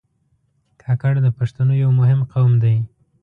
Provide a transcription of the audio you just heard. کاکړ د پښتنو یو مهم قوم دی.